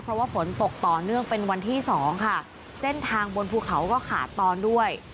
เพราะว่าฝนตกต่อเนื่องเป็นวันที่สองค่ะเส้นทางบนภูเขาก็ขาดตอนด้วย